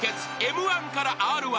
Ｍ−１からＲ−１］